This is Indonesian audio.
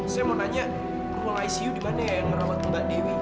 saya mau nanya ruang icu dimana ya yang merawat mbak dewi